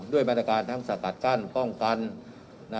ด้วยมาตรการทั้งสกัดกั้นป้องกัน